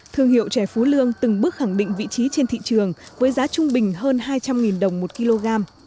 thương hiệu chè phú lương từng bước khẳng định vị trí trên thị trường với giá trung bình hơn hai trăm linh đồng một kg